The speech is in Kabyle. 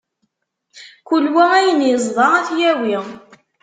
Kul wa ayen iẓda ad t-yawi.